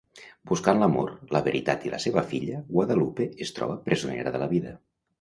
Buscant l'amor, la veritat i la seva filla, Guadalupe es troba presonera de la vida.